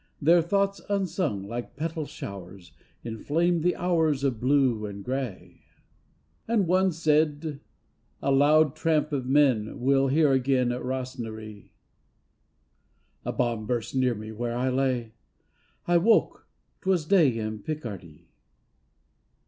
Their thoughts unsung, like petal showers Inflame the hours of blue and gray." 264 THE DEAD KINGS And one said :" A loud tramp of men We'll hear again at Rosnaree." A bomb burst near me where I lay. I woke, 'twas day in Picardy.